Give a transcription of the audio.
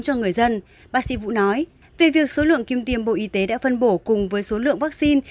cho người dân bác sĩ vũ nói về việc số lượng kim tiêm bộ y tế đã phân bổ cùng với số lượng vaccine